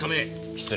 失礼。